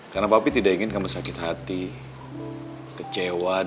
karena papi tidak ingin kamu sakit hati kecewa dan sedih